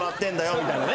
みたいなね。